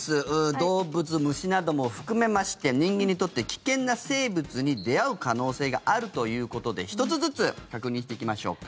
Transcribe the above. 動物、虫なども含めまして人間にとって危険な生物に出会う可能性があるということで１つずつ確認していきましょうか。